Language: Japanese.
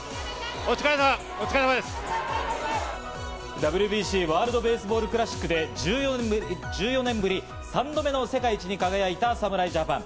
ＷＢＣ＝ワールド・ベースボール・クラシックで、１４年ぶり３度目の世界一に輝いた侍ジャパン。